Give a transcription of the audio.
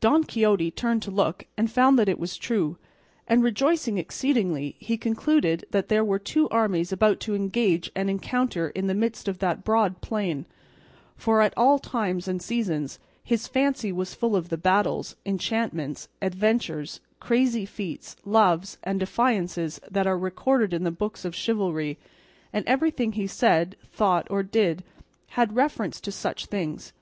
Don Quixote turned to look and found that it was true, and rejoicing exceedingly, he concluded that they were two armies about to engage and encounter in the midst of that broad plain; for at all times and seasons his fancy was full of the battles, enchantments, adventures, crazy feats, loves, and defiances that are recorded in the books of chivalry, and everything he said, thought, or did had reference to such things.